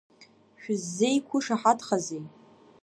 Шәыззеиқәышаҳаҭхазеи?